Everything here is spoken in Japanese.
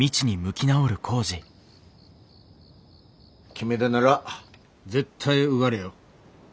決めだなら絶対受がれよ。